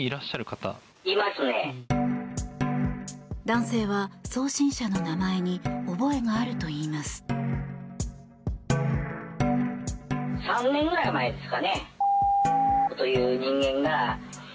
男性は、送信者の名前に覚えがあるといいます。